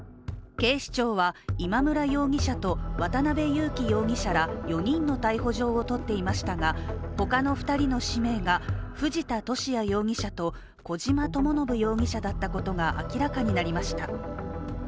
警視庁は今村容疑者と渡辺優樹容疑者ら４人の逮捕状を取っていましたがほかの２人の指名が藤田聖也容疑者と小島智信容疑者だったことが明らかになりました。